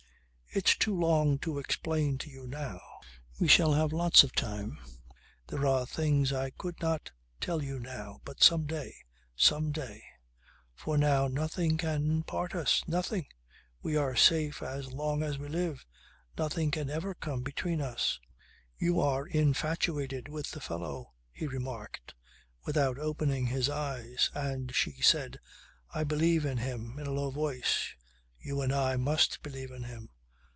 "It's too long to explain to you now. We shall have lots of time. There are things I could not tell you now. But some day. Some day. For now nothing can part us. Nothing. We are safe as long as we live nothing can ever come between us." "You are infatuated with the fellow," he remarked, without opening his eyes. And she said: "I believe in him," in a low voice. "You and I must believe in him."